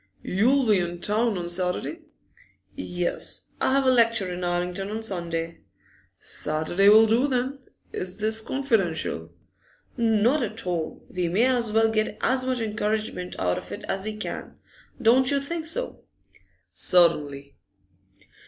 'You'll be in town on Saturday?' 'Yes; I have a lecture in Islington on Sunday.' 'Saturday will do, then. Is this confidential?' 'Not at all. We may as well get as much encouragement out of it as we can. Don't you think so?' 'Certainly.